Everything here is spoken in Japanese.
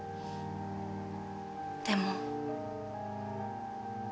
でも。